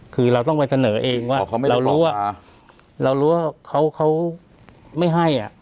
คือเราต้องไปเสนอเองว่าเรารู้ว่าเขาไม่ให้